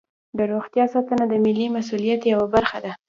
د روغتیا ساتنه د ملي مسؤلیت یوه برخه ده.